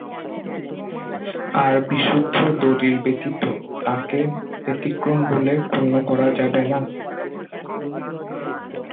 আর বিশুদ্ধ দলীল ব্যতীত তাঁকে ব্যতিক্রম বলে গণ্য করা যাবে না।